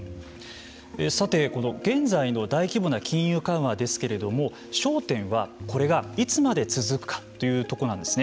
さてこの現在の大規模な金融緩和ですけれども焦点は、これがいつまで続くかというところなんですね。